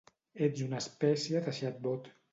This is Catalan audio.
Ets una espècie de xatbot.